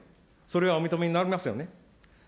それはお認めになりますよね。